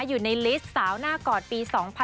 อยู่ในลิสต์สาวน่าก่อนปี๒๐๑๗